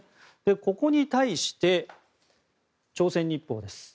ここに対して、朝鮮日報です。